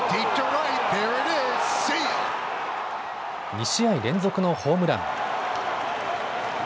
２試合連続のホームラン。